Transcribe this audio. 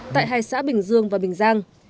tại hai xã bình dương và bình giang